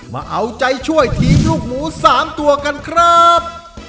มาเอาใจช่วยทีมลูกหมู๓ตัวกันครับ